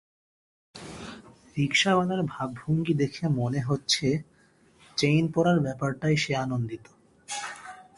রিকশাওয়ালার ভাবভঙ্গি দেখে মনে হচ্ছে চেইন পড়ার ব্যাপারটায় সে আনন্দিত।